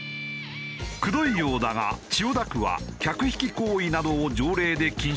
くどいようだが千代田区は客引き行為などを条例で禁止している。